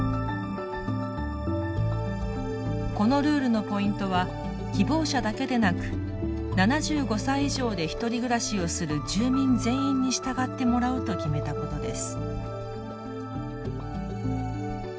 このルールのポイントは希望者だけでなく７５歳以上でひとり暮らしをする住民全員に従ってもらうと決めたことです。